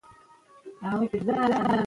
ـ غل دې خپلې سېرې څخه ډاريږي.